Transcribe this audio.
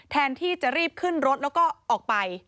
แทนที่จะรีบขึ้นรถแล้วก็ออกไป